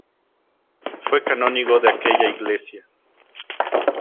Fue canónigo de aquella iglesia.